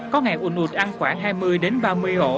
có ngày unut ăn khoảng hai mươi đến ba mươi kg